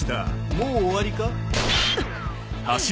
もう終わりか？